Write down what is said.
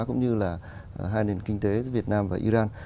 cũng như là hai nền kinh tế giữa việt nam và iran